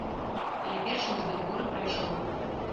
Але першы ўздым буры прайшоў.